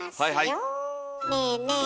ねえねえ